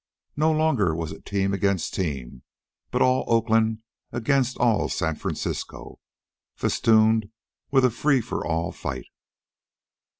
No longer was it team against team, but all Oakland against all San Francisco, festooned with a free for all fight.